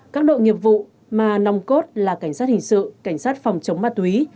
các đội nghiệp vụ mà nòng cốt là cảnh sát hình sự cảnh sát phòng chống ma túy